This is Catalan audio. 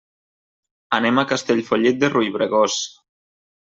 Anem a Castellfollit de Riubregós.